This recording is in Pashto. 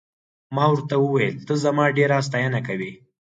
ما ورته وویل ته زما ډېره ستاینه کوې.